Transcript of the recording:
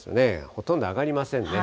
ほとんど上がりませんね。